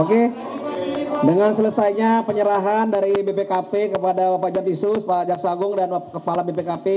oke dengan selesainya penyerahan dari bpkp kepada bapak jatisus bapak jaksagung dan kepala bpkp